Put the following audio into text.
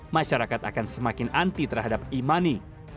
masyarakat akan semakin anti terhadap e money